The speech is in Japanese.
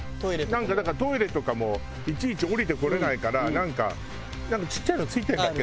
なんかだからトイレとかもいちいち下りてこれないからなんかちっちゃいの付いてるんだっけ？